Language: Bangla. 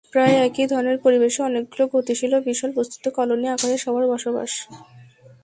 প্রায় একই ধরণের পরিবেশে অনেকগুলো গতিশীল এবং বিশাল বস্তুতে কলোনি আকারে সবার বসবাস।